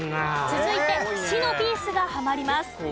続いて市のピースがはまります。